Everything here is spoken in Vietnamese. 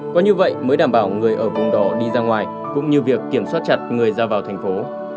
có như vậy mới đảm bảo người ở vùng đỏ đi ra ngoài cũng như việc kiểm soát chặt người ra vào thành phố